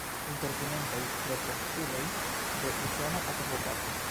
Impertinentaj tropostuloj de usona advokato.